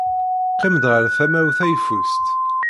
Qqim-d ɣer tama-w tayeffust.